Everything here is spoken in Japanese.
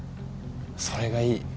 それがいい。